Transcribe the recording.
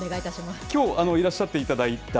きょう、いらっしゃっていただきました